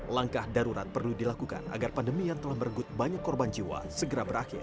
langkah darurat perlu dilakukan agar pandemi yang telah merenggut banyak korban jiwa segera berakhir